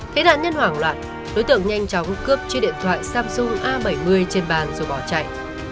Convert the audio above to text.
thấy nạn nhân hoảng loạn đối tượng nhanh chóng cướp chiếc điện thoại samsung a bảy mươi trên bàn rồi bỏ chạy